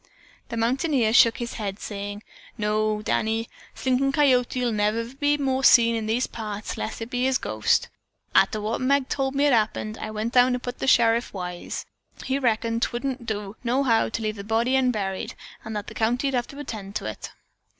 The mountaineer shook his head, saying: "No, Danny, Slinkin' Coyote'll never more be seen in these parts, lest be it's his ghost. Arter Meg tol' me what had happened, I went down to put the sheriff wise. He reckoned 'twouldn't do, no how, to leave the body unburied, and that the county'd have to tend to it."